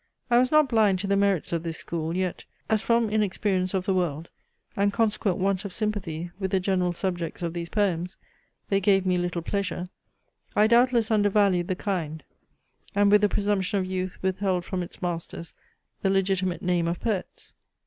I was not blind to the merits of this school, yet, as from inexperience of the world, and consequent want of sympathy with the general subjects of these poems, they gave me little pleasure, I doubtless undervalued the kind, and with the presumption of youth withheld from its masters the legitimate name of poets.